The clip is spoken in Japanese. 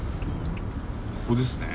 ここですね。